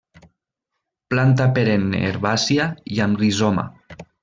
Planta perenne herbàcia i amb rizoma.